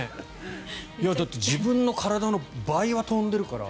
だって自分の体の倍は跳んでるから。